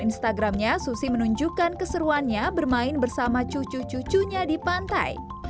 instagramnya susi menunjukkan keseruannya bermain bersama cucu cucunya di pantai